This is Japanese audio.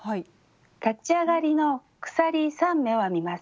立ち上がりの鎖３目を編みます。